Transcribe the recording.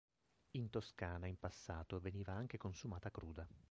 In Toscana, in passato, veniva anche consumata cruda.